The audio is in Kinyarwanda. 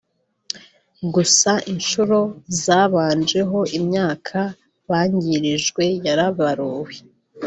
gusa inshuro zabanje ho imyaka bangirijwe yarabaruwe